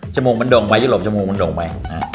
จมูกมันโด่งไว้ยุโรปจมูกมันโด่งไว้